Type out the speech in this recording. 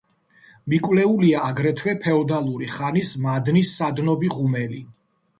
მიკვლეულია აგრეთვე ფეოდალური ხანის მადნის სადნობი ღუმელი.